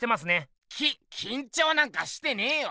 ききんちょうなんかしてねえよ。